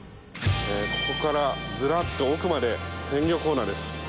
ここからずらっと奥まで鮮魚コーナーです。